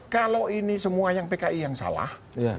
kalau ini semua yang pki yang salah